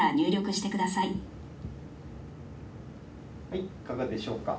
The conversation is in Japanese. はいいかがでしょうか。